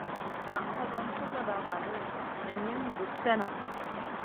Naʼ hodon suguda vanu nen min guss slena.